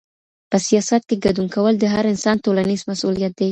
په سياست کي ګډون کول د هر انسان ټولنيز مسؤوليت دی.